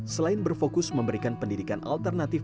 selain berfokus memberikan pendidikan alternatif